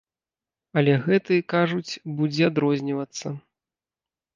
Але гэты, кажуць, будзе адрознівацца.